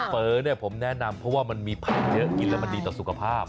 เฝอผมแนะนำเพราะว่ามันมีไผล่เยอะกินแล้วมันดีต่อสุขภาพ